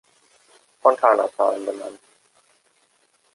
Fontana-Zahlen benannt.